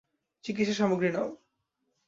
চিকিৎসা সামগ্রী নাও।